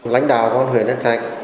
lãnh đạo của huyện nhân trạch